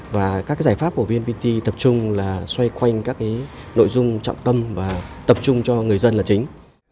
và các giải pháp của vnpt tập trung là xoay quanh các nội dung trọng tâm và tập trung cho người dân là chính